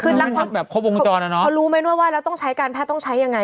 คือหลังพอเพราะรู้มั้ยไม่รู้ว่าว่าแล้วต้องใช้การเท่าต้องใช้ยังไง